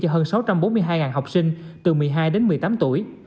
cho hơn sáu trăm bốn mươi hai học sinh từ một mươi hai đến một mươi tám tuổi